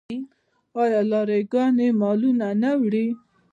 آیا لاری ګانې مالونه نه وړي؟